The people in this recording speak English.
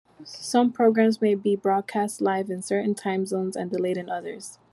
Some programs may be broadcast live in certain time zones and delayed in others.